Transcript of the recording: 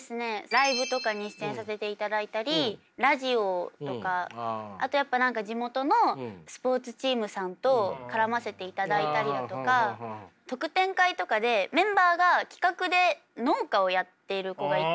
ライブとかに出演させていただいたりラジオとかあとやっぱ地元のスポーツチームさんと絡ませていただいたりだとか特典会とかでメンバーが企画で農家をやっている子がいて。